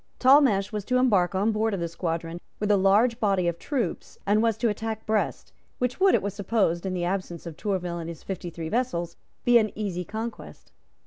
Talmash was to embark on board of this squadron with a large body of troops, and was to attack Brest, which would, it was supposed, in the absence of Tourville and his fifty three vessels, be an easy conquest.